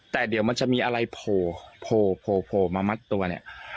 แต่เดี๋ยวมันจะมีอะไรโผล่มามัดตัวเนี่ย